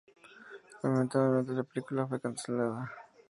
Lamentablemente la película fue cancelada